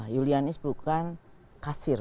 julianis bukan kasir